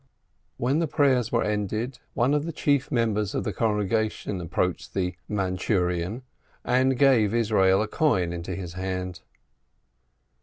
When the prayers were ended, one of the chief mem bers of the congregation approached the "Mandchurian," and gave Yisroel a coin into his hand.